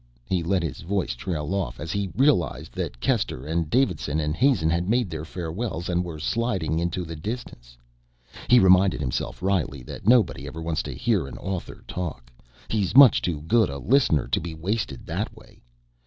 He let his voice trail off as he realized that Kester and Davidson and Hazen had made their farewells and were sliding into the distance. He reminded himself wryly that nobody ever wants to hear an author talk he's much too good a listener to be wasted that way.